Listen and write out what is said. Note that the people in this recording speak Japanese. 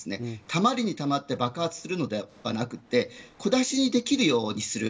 たまりにたまって爆発するのではなくて小出しにできるようにする。